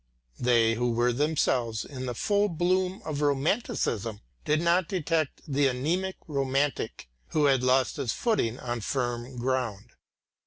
They who were themselves in the full bloom of romanticism did not detect the anæmic romantic who had lost his footing on firm ground.